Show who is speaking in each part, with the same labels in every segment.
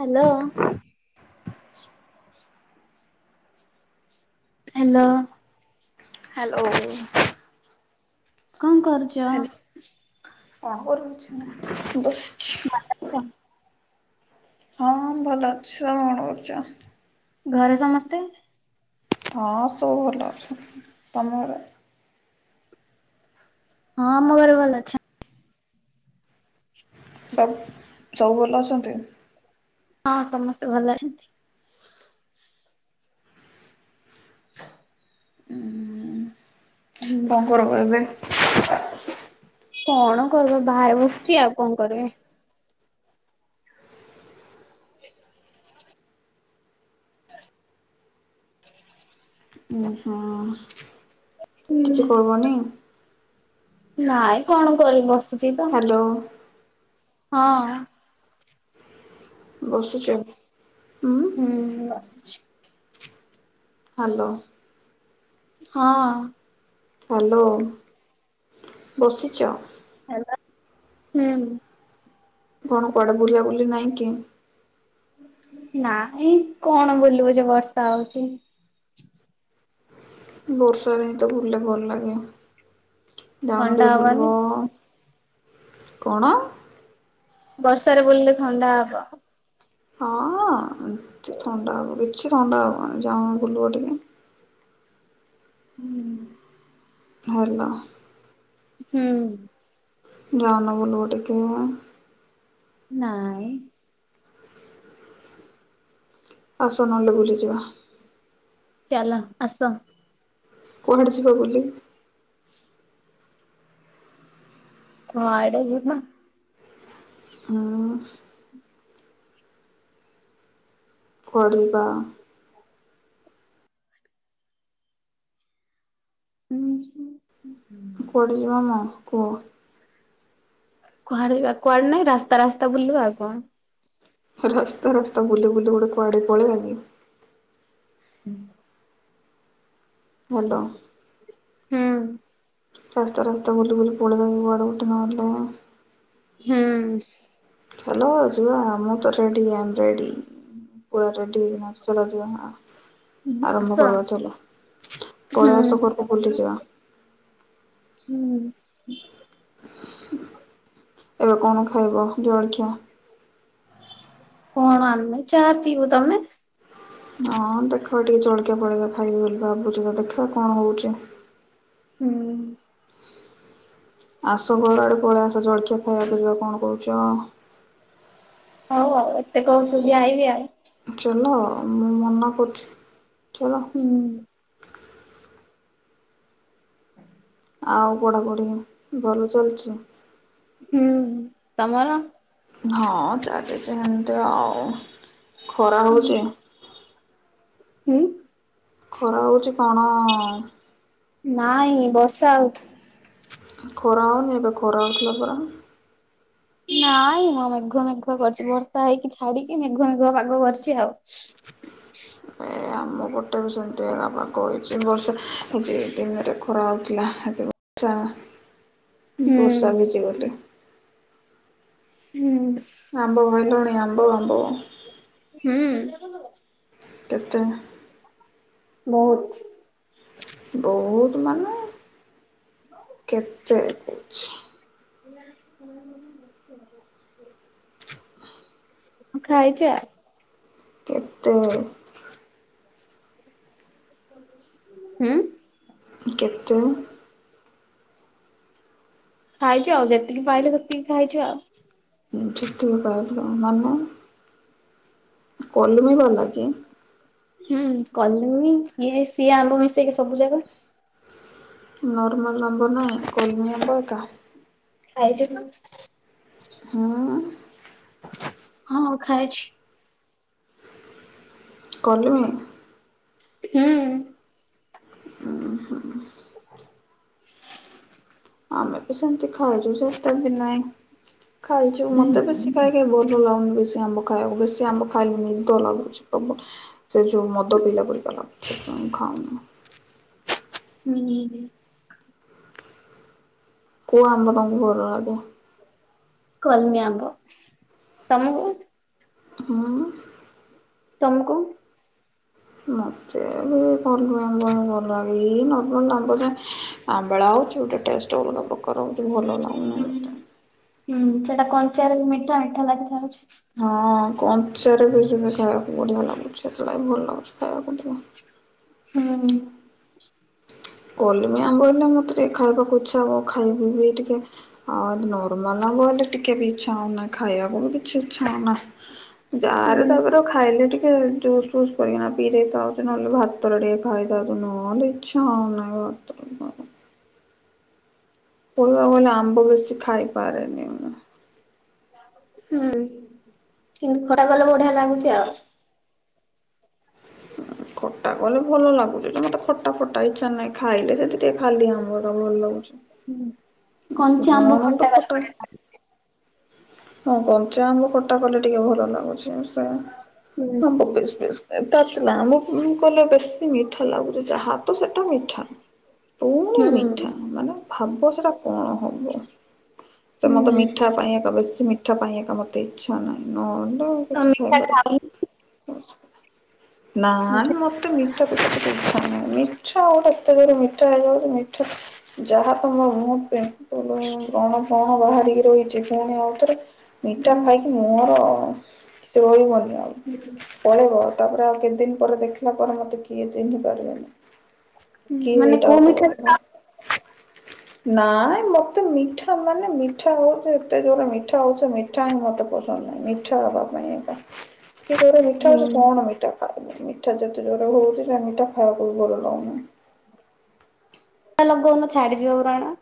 Speaker 1: Hello. Hello.
Speaker 2: Hello.
Speaker 1: କଣ କରୁ
Speaker 2: hello କ କରୁ ଛ ନା ବସ
Speaker 1: ମାନେ [unintelligible]
Speaker 2: ହଁ ଭଲ ଅଛୁ ଆଉ କଣ କରୁଚ?
Speaker 1: ଘରେ ସମସ୍ତେ
Speaker 2: ହଁ ସବୁ ଭଲ ଅଛୁ। ତମଘର?
Speaker 1: ହଁ ଆମ ଘରେ ଭଲ ଅଛନ।
Speaker 2: ସବ୍ ସବୁ ଭଲ ଅଛନ୍ତି?
Speaker 1: ହଁ ସମସ୍ତେ ଭଲ ଅଛନ୍ତି। ହୁଁ
Speaker 2: କଣ କରବ ଏବେ?
Speaker 1: କଣ କରୁବେ ଭାଇ ବସିଛି ଆଉ କଣ କରିବି?
Speaker 2: ଉ ହୁଁ
Speaker 1: ହୁଁ।
Speaker 2: କିଛି କରବନି?
Speaker 1: ନାଇଁ କଣ କରିବ?
Speaker 2: ହ୍ୟାଲୋ।
Speaker 1: ହଁ
Speaker 2: ବସଛୁଚ ହୁଁ
Speaker 1: ହୁଁ ବଛିଚି ହୁଁ
Speaker 2: ହ୍ୟାଲୋ
Speaker 1: ହଁ ଅଁ
Speaker 2: ହ୍ୟାଲୋ ବସିଚ?
Speaker 1: ହେଲୋ, ହୁଁ
Speaker 2: କଣ କୁଆଡେ ବୁଲା ବୁଲି ନାଇଁ କି
Speaker 1: ନାହ୍ନି, କଣ ବୁଲିବୁ ଯେ ବର୍ଷା ହଉଛି।
Speaker 2: ବର୍ଷରେ ହ୍ନି ଟ ବୁଲିଲେ ଭଲ ଲାଗେ ଜାଉଣ
Speaker 1: ଥଣ୍ଡା
Speaker 2: ଟିକେ
Speaker 1: ହବନି
Speaker 2: ବୁଲବ। କଣ?
Speaker 1: ବର୍ଷାରେ ବୁଲିଲେ ଥଣ୍ଡା ହବ।
Speaker 2: ହଁ ଥଣ୍ଡା ହବ, କିଛି ଥଣ୍ଡା ହବନି ଯାଉନ ବୁଲିବ ଟିକେ?
Speaker 1: ହୁଁ
Speaker 2: ଭଲ।
Speaker 1: ହୁଁ
Speaker 2: ଜାଉନ ବୁଲି ବ ଟିଏ?
Speaker 1: ନାଇଁ।
Speaker 2: ଆସ ନହେଲେ ବୁଲିଯିବା।
Speaker 1: ଚାଲ, ଆସ।
Speaker 2: କୁଆଡେ ଯିବା ବୁଲି?
Speaker 1: କୁଆଡେ଼ ଯିମା।
Speaker 2: ହୁଁ କୁଆଡେ ଯିବା?
Speaker 1: [unintelligible]
Speaker 2: ଜିବାନା କୁଅ?
Speaker 1: କୁଆଡେ ଜିବା କୁଆଡେ ନାଇଁ ରାସ୍ତା ରାସ୍ତା ବୁଲିବା ଆଉ କଣ।
Speaker 2: ରାସ୍ତା ରାସ୍ତା ବୁଲି ବୁଲି ଗୋଟେ କୁଆଡେ ପଳେଇବାକି।
Speaker 1: ହୁଁ।
Speaker 2: ହ୍ୟାଲୋ।
Speaker 1: ହୁଁ।
Speaker 2: ରାସ୍ତା ରାସ୍ତା ବୁଲିବୁଲି ପଳେଇବା କୁଆଡେ ଗୋଟେ ନହେଲେ।
Speaker 1: ହୁଁ।
Speaker 2: ଚାଲ ଯିବା ମୁଁ ତ ରେଡି ଆମ ରେଡି। ପୁରା ରେଡି, [unintelligible]
Speaker 1: ଆସ
Speaker 2: ଆରମ୍ଭ କରବା ଚାଲ,
Speaker 1: ହୁଁ
Speaker 2: ପଳା ଆସ କୁଆଡେ ବୁଲିଯିବା।
Speaker 1: ହୁଁ।
Speaker 2: ଏବେ କଣ ଖାଇବ ଜଳଖିଆ?
Speaker 1: କଣ ଆଣିମି ଚା ପିଇବୁ, ତମେ?
Speaker 2: ହଁ ଦେଖିବା ଟିକେ ଜଳିକିଆ ଫଳିକଆ ଖାଇବି ବୋଲି ଭାବୁଛି ତ ଦେଖିବା କଣ ହଉଛି।
Speaker 1: ହୁଁ।
Speaker 2: ଆସ ଘର ଆଡେ ପଳେଇ ଆସ, ଜଳଖିଆ ଖାଇବାକୁ ଯିବା କଣ କହୁଛ?
Speaker 1: ହଉ ଆଉ ଏତେ କହୁଚ ଯଦି ଆଇବି ଆଉ।
Speaker 2: ଚାଲ ମୁଁ ମନା କରୁଚି, ଚାଲ।
Speaker 1: ହୁଁ।
Speaker 2: ଆଉ ପଢ଼ାପଢ଼ି ଭଲ ଚାଲିଛି?
Speaker 1: ହୁଁ, ତମର?
Speaker 2: ହଁ ଚାଲିିଛି ହେମତି ଆଉ, ଖରା ହଉଛି?
Speaker 1: ହୁଁ।
Speaker 2: ଖରା ହଉଛି କଣ
Speaker 1: ନାଇଁ ବର୍ଷା ହଉଚି।
Speaker 2: ଖରା ହଉନି ଏବେ ଖରା ହଉଥିଲା ପରା।
Speaker 1: ନାଇ ହଁ ମେଘୁଆ ମେଘୁଆ କରିଛି ବର୍ଷା ହେଇକି ଛାଡିକି ମେଘୁଆ ମେଘୁଆ ପାଗ କରିଛି ଆଉ।
Speaker 2: [inaudible] ଆମ ପଟେ ବି ସେମତି ଆମ କହିଛି ବର୍ଷା, ଦିନରେ ଖରା ହେଉଥିଲା ଏବେ ବର୍ଷା
Speaker 1: ହୁଁ
Speaker 2: ବର୍ଷା ଭିଜି ଗଲି।
Speaker 1: ହୁଁ।
Speaker 2: ଆମ୍ବ କାଇଲୁଣି ଆମ୍ବ ଆମ୍ବ।
Speaker 1: ହୁଁ।
Speaker 2: କେତେ?
Speaker 1: ବହୁତ।
Speaker 2: ବହୁତ ମାନେ କେତେ ହେଇଚି?
Speaker 1: [unintelligible] [unintelligible]
Speaker 2: [unintelligible]
Speaker 1: ହୁଁ।
Speaker 2: [unintelligible]
Speaker 1: ଖାଇଚି ଆଉ ଯେତିକି ପାଇଲି ସେତିକି ଖାଇଚି ଆଉ।
Speaker 2: ଯେତିକି ପାଇଲୁ ମାନେ? କଲିମୀ ବାଲା କି?
Speaker 1: ହୁଁ କଲିମି ଇଏ ସିଏ ଆମ୍ବ ମିଶେଇକି ସବୁ ଜାକ।
Speaker 2: ନର୍ମାଲ ଆମ୍ବ ନାହିଁ? କଲମୀ ଆମ୍ବ ଏକା।
Speaker 1: [unintelligible]
Speaker 2: ହୁଁ।
Speaker 1: ହଁ ଖାଇଚି।
Speaker 2: କଲିମି।
Speaker 1: ହୁଁ।
Speaker 2: ଉଁ ହୁଁ।
Speaker 1: [inaudible]
Speaker 2: ଆମେ ବି ସେମିତି ଖାଇଚୁ ସେତେ ବି ନାଇଁ। ଖାଇଚୁ
Speaker 1: ହୁଁ
Speaker 2: ମତେ ବେଶୀ ଖାଇ ଖାଇ ଭଲ ଲାଗୁନି ବେଶୀ ଆମ୍ବ ଖାଇବାକୁ। ବେଶୀ ଆମ୍ବ ଖାଇଲେ ନିଦ ଲାଗୁଚି ପ୍ରବଳ। ସେ ଯୋଉ ମଦ ପିଇଲା ପରିକା ଲାଗୁଚି। ସେଇଥିପାଇଁ ମୁଁ ଖାଉନି।
Speaker 1: ହୁଁ, ହୁଁ।
Speaker 2: କୋଉ ଆମ୍ବ ତମକୁ ଭଲ ଲଗେ?
Speaker 1: କଲମି ଆମ୍ବ। ତମକୁ?
Speaker 2: ହୁଁ।
Speaker 1: ତମକୁ?
Speaker 2: ମୋତେ ବି କଲିମି ଆମ୍ବ [unintelligible] ଏଇ ନର୍ମାଲ ଆମ୍ୱ ଯାହା। ଆମ୍ବଳା ହଉଚି ଗୋଟେ ଟେଷ୍ଟ ଅଲଗା ପ୍ରକାର ହଉଚି ଭଲ ଲାଗୁନି
Speaker 1: ହୁଁ
Speaker 2: ମୋତେ।
Speaker 1: ହୁଁ ସେଟା ରେ କଞ୍ଚାରେ ବି ମିଠା ମିଠା ଲାଗିଥାଉଚି।
Speaker 2: ହଁ କଞ୍ଚାରେ ବି ସିଏ ବି ଖାଇବାକୁ ବଢିଆ ଲାଗୁଚି। ସେଥିଲାଗି ଭଲ ଲାଗୁଚି ଖାଇବାକୁ ଟିକେ।
Speaker 1: ହୁଁ।
Speaker 2: କଲମି ଆମ୍ବ ହେଲେ ମତେ ଟିକେ ଖାଇବାକୁ ଇଚ୍ଛା ହବ। ଖାଇବି ବି ଟିକେ। ଆଉ ନର୍ମାଲ ଆମ୍ୱ ହେଲେ ଟିକେ ବି ଇଚ୍ଛା ହଉନାଇ ଖାଇବାକୁ ବି
Speaker 1: ହୁଁ
Speaker 2: [unintelligible] ଖାଇଲେ ଟିକେ ଜୁସ୍ ଫୁସ୍ କରିକିନା ପିଇଦେଇଥାଉଚି। ନହେଲେ ଭାତରେ ଟିକେ ଖାଇଦଉଚି। ନହେଲେ ଇଚ୍ଛା ହଉନି। [unintelligible] କହିବାକୁ ଗଲେ ଆମ୍ବ ବେଶି ଖାଇପାରେନି ମୁଁ।
Speaker 1: ହୁଁ। କିନ୍ତୁ ଖଟା କଲେ ବଢିଆ ଲାଗୁଚି ଆଉ। ହଁ
Speaker 2: ଖଟା କଲେ ଭଲ ଲାଗୁଚି। ମତେ ଖଟା ଫଟା ଇଚ୍ଛା ନାହିଁ। ଖାଇଲେ ସେ ଟିକେ ଖାଲି ଆମ୍ବ ଟା ଭଲ ଲାଗୁଚି।
Speaker 1: ହୁଁ କଞ୍ଚା ଆମ୍ବ
Speaker 2: ମୁଁ ତ
Speaker 1: କଲେ
Speaker 2: ଖଟା ହଁ କଞ୍ଚା ଆମ୍ବ ଖଟା କଲେ ଟିକେ ଭଲ ଲାଗୁଚି। ସେ
Speaker 1: ହୁଁ।
Speaker 2: ଆମ୍ବ ପିସ୍ ପିସ୍, ପାଚିଲା ଆମ୍ବ କଲେ ବେଶୀ ମିଠା ଲାଗୁଚି। ଯାହା ତ ସେଟା ମିଠା। ପୁଣି
Speaker 1: ହୁଁ
Speaker 2: ମିଠା ମାନେ ଭାବ ସେଟା କଣ ହବ। ସେ ମତେ
Speaker 1: ହୁଁ
Speaker 2: ମିଠା ପାଇଁ ଏକା ବେଶି ମିଠା ପାଇଁ ଏକା ମତେ ଇଚ୍ଛା ନାହିଁ। ନହେଲେ
Speaker 1: ତମେ
Speaker 2: କିଛି
Speaker 1: ମିଠା
Speaker 2: ଖାଇବାର।
Speaker 1: ଖାଉନ?
Speaker 2: ନାନ ମ ମୋତେ ମିଠା ଫିଠା ଏତେ ପସନ୍ଦ ନୁହଁ ମିଠା ଗୋଟେ ଏତେ ଯୋରେ ତ ମିଠା ଯାହା ତ ହ ମୁଁ ପ ବ୍ରଣ ଫଣ ବାହାରିକି ରହିଛି। ପୁଣି ଆଉଥରେ ମିଠା
Speaker 1: ହୁଁ
Speaker 2: ଖାଇକି ମୋର ସେ ରହିବନି ଆଉ। ପଳେଇବ ତାପରେ ଆଉ କେତେ ଦିନ ପରେ ଦେଖିଲା ପରେ ମତେ କିଏ ଚିହ୍ନି ପାରିବେନି। କିଏ
Speaker 1: ମାନେ
Speaker 2: ଏଇଟା
Speaker 1: କୋଉ
Speaker 2: ଗୋଟେ
Speaker 1: ମିଠା
Speaker 2: ବୋଲି
Speaker 1: ଖାଉ?
Speaker 2: [unintelligible] ନାଇଁ ମତେ ମିଠା ମାନେ ମିଠା ହଉଛି ଏତେ ଜୋର ମି ଠା ହଉଛ ମିଠା ହିଁ ମତେ ପସନ୍ଦ ନାହିଁ ମିଠା ହବା ପାଇଁ ଏବେ। ଏତେ ଜୋରେ ମିଠା ହଉଛି
Speaker 1: ହୁଁ।
Speaker 2: କଣ ମିଠା ଖାଇବୁ ମିଠା ଯେତେ ଜୋରେ ହଉଥିଲା ମିଠା ଖାଇବାକୁ ବି ଭଲ ଲାଗୁନି।
Speaker 1: [unintelligible] ଲଗଉନ ଛାଡିଯିବ ବ୍ରଣ।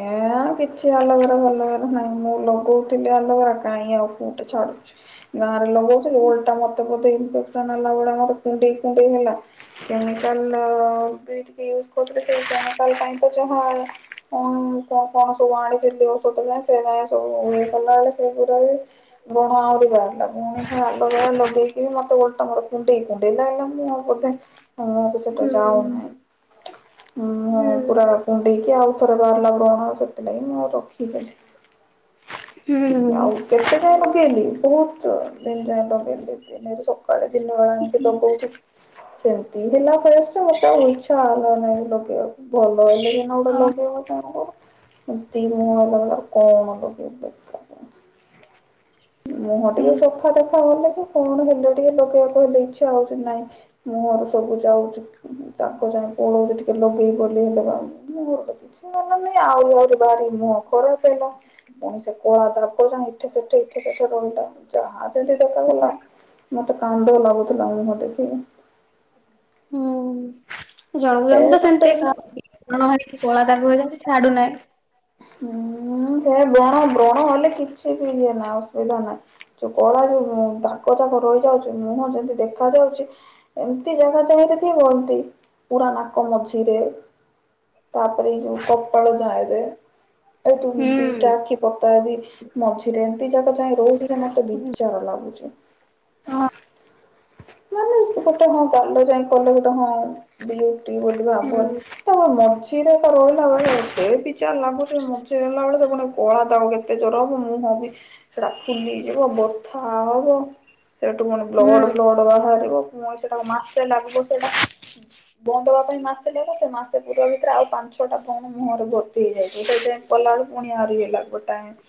Speaker 2: ଏ କିଛି ଆଲବେରା ଫାଲବେରା ନାହିଁ ମୁଁ ଲଗଉଥିଲି ଆଲବେରା କାହିଁ ଆଉ କୁଠେ ଛାଡୁଛି। ଗାଁରେ ଲଗଉଥିଲି ଓଲଟା ମତେ ବଧେ ଇନ୍‌ଫେକ୍ସନ୍ ହେଲା ଭଳିଆ ମତେ କୁଣ୍ଡେଇ କୁଣ୍ଡେଇ ହେଲା। କେମିକାଲ ବି ଟିକେ ୟୁଜ କରୁଥିଲେ ସେ କେମିକାଲ ପାଇଁ ତ ଯ ହ। ତ କଣ ସବୁ ଆଣିଥିଲେ ଔୋଟ ଯ ସେ ଯ ସବୁ ଇଏ କଲା ବେଳେ ସେ ପୁରା ବି। ବ୍ରଣ ଆହୁରି ବାହାରିଲା ପୁଣି ଆଲବେରା ଲଗେଇକି ମତେ ଓଲଟା କୁଣ୍ଡେଇ କୁଣ୍ଡେଇ ମୁଁ ଆଉ ମୁଁ ବି ସେଟା
Speaker 1: ହୁଁ
Speaker 2: ଚାହୁଁ ନାହିଁ ମୁଁହ
Speaker 1: ହୁଁ
Speaker 2: ପୁରା ଟା କୁଣ୍ଡେଇକି ଆଉ ଥରେ ବାହାରିଲା ବ୍ରଣ ସେଥିଲାଗି ମୁଁ ଆଉ ରଖିଦଲି।
Speaker 1: ହଁ ହୁଁ
Speaker 2: ଆଉ କେତେ ଲଗେଇଲି ବହୁତ ଦିନ୍ ଯାଏଁ ଲଗେଇଲି ଦି ତିନି ସପ୍ତାହେ। ସକାଳେ ଦିନବେଳା ଆଣିକି ଲଗଉଚି। ସେମତି ହେଲା ଫେସ୍ ଯେ ମତେ ଆଉ ଇଚ୍ଛା ହେଲା ନାଇଁ ଲଗେଇବାକୁ। ଭଲ ହେଲେ ସିନା ଗୋଟେ ଲଗେ ତାଙ୍କ ଏ ତି ମଲଗ କଣ ଲଗେଇବେ। ମୁହଁ ଟିକେ ସଫା ତଫା କଲେ କି କଣ ହେଲେ ଟିକେ ଲଗେଇବାକୁ ହେଲେ ଇଛା ହଉଛି ନହିଁ। ମୁହଁରୁ ସବୁ ଯାଉଛି। ତାଙ୍କ ଯା ପୋଳଉଛି ଟିକେ ଲଗେଇ ପ ହେଲେ ବା କି ଆଉ ଆରି ବାରି ମୁହଁ ଖରାପ ହେଲା। ପୁଣି ସେ କଳା ଦାଗ ଯାଏ ଏଠେ ସେଠେ ଏଠ ଏଠେ ରହିଲା ଯାହା ଯେମିତି ଦେଖା ଗଲା। ମୋତେ କାନ୍ଦ ଲାଗୁଥିଲା ମୁହଁ ଦେଖିକି।
Speaker 1: ହୁଁ ଜଣ
Speaker 2: ଏ
Speaker 1: ଜଣକ ତ ସେମିତି ଏକା
Speaker 2: ଟୋଟାଲ
Speaker 1: ହୁଅନ୍ତି। ବ୍ରଣ ହେଇକି କଳା ଦାଗ ହେଇଯାଉଚି ଛାଡୁନାହିଁ।
Speaker 2: ହୁଁ ସେ ବ୍ରଣ ବ୍ରଣ ହେଲେ କିଛି ବି ହଏ ନା ଅସୁବିଧା ନାହିଁ। ଯୋଉ କଳା ଯୋଉ ଦାଗ ଜା କ ରହିଯାଉଛି ମୁହଁ ଯେମିତି ଦେଖା ଯାଉଛି। ଏମତି ଜାଗା ଚାହିଁରେ କି ହନ୍ତି ପୁରା ନାକ ମଝିରେ। ତାପରେ ଏଇ ଯୋଉ କପାଳ ଧାଏରେ। ଏ ତୁ
Speaker 1: ହୁଁ
Speaker 2: ଦିଟା ଆଖି ପତା ମଝିରେ ଏମତି ଯାକ ଯାଇଏ ରହୁଛି। ମତେ ବିଚାଳ ଲାଗୁଛି।
Speaker 1: ହଁ।
Speaker 2: ମାନେ ଗୋଟେ ହଁ ଗାଲ ଯାଇ କଲେ ଗୋଟେ ହଁ, [unintelligible]
Speaker 1: ହୁଁ
Speaker 2: ମଞ୍ଜି ହେଲାବଳେ ସେ ପୁଣି କଳା ଦାଗ କେତେ ଜୋର ହବ ମୁଁହଁ ବି ସେଟା ଫୁଲିଯିବ ବଥା ହବ ସେଠୁ ମାନେ
Speaker 1: ହୁଁ
Speaker 2: ବ୍ଲଡ ଫ୍ଲଡ ବାହାରିବ। ମୁଁଇଁ ସେଟାକୁ ମାସେ ଲାଗିବ ସେଇଟା ବନ୍ଦ ହବା ପାଇଁ ମାସେ ଲାଗିବ। ସେ ମାସେ ପୁରିଲା ଭିତରେ ଆଉ ପାଞ୍ଚଛଅଟା ବ୍ରଣ ମୁହଁରେ ଭର୍ତ୍ତି ହେଇଯାଇଥିବ। [unintelligible]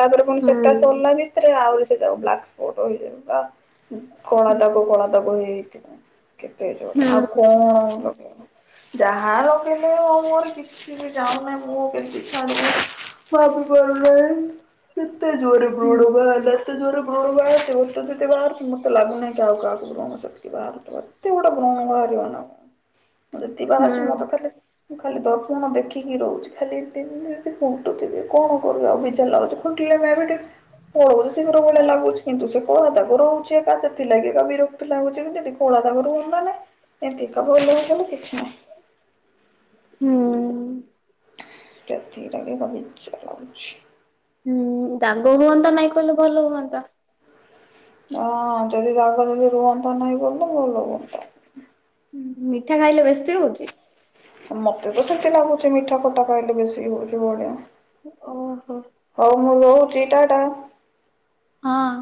Speaker 2: ତାପରେ ପୁଣି ସେଟା ସରିଲା
Speaker 1: ହୁଁ
Speaker 2: ବି ରେ ଆହୁରି ସେଟା ବ୍ଲାକ୍ ସ୍ପଟ [unintelligible] କଳା ଦାଗ କଳାଦାଗ ହେଇ [unintelligible] କେତେ ଜୋରେ
Speaker 1: ହୁଁ
Speaker 2: ଆଉ କଣ ଲ ଯାହା ଲଗେଇଲେ ଆଉ ମୁଁହରେ କିଛି ବି ଜାଉନି ମୁଁ କେ [unintelligible] ସେତେ ଜୋରେ
Speaker 1: ହୁଁ
Speaker 2: [unintelligible] ସେ ଯେତେ ବାହାର ମତେ ଲାଗୁନାହିଁ କି ଆଉ [unintelligible] ଏତେ ଗୋଟେ ବ୍ରଣବାହାରିବ ନା। ଯେଦି ବାହାରିଛି ମୁଁ ତ
Speaker 1: ହୁଁ
Speaker 2: ଖାଲି ଖାଲି ଦର୍ପଣ ଦେଖିକି ରହୁଛି ଖାଲି ଏତେ ଏତେ ପୋଡ଼ୁଚି ଯେ କଣ କରିବି ଆଉ ବେଜାର ଲାଗୁଚି [unintelligible] [unintelligible] ଲାଗୁଛି କିନ୍ତୁ ସେ କଳା ଦାଗ ରହୁଛି ଏକା ସେଥିଲାଗି କା ବିରକ୍ତ ଲାଗୁଛି ଯଦି କଳାଦାଗ ରୁହନ୍ତାନି ଏ [unintelligible] କିଛି ନାହିଁ।
Speaker 1: ହୁଁ।
Speaker 2: ସେତିକିରେ ବି ବ ବିଜାର ଲାଗୁଚି।
Speaker 1: ହୁଁ ଦାଗ ହୁଅନ୍ତା ନାଇଁ କହିଲେ ଭଲ ହୁଅନ୍ତା।
Speaker 2: ହଁ ଯଦି ଦାଗ ଯଦି ରୁହନ୍ତା ନାହିଁ ବୋଇଲେ ଭଲ ହୁଅନ୍ତା।
Speaker 1: ହଁ ମିଠା ଖାଇଲେ ବେଶୀ ହୋଉଚି?
Speaker 2: ମତେ ତ ସେମିତି ଲାଗୁଛି ମିଠା ଖଟା ଖାଇଲେ ବେଶୀ ହଉଛି ଭଳିଆ।
Speaker 1: ଓହୋ।
Speaker 2: ହଉ ମୁଁ ରହୁଚି ଟା ଟା।
Speaker 1: ହଁ।